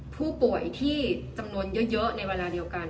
ผู้ป่วยที่จำนวนเยอะในเวลาเดียวกัน